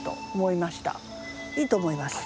いいと思います。